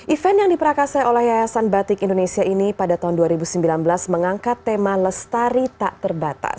event yang diperakasai oleh yayasan batik indonesia ini pada tahun dua ribu sembilan belas mengangkat tema lestari tak terbatas